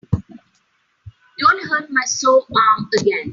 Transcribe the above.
Don't hurt my sore arm again.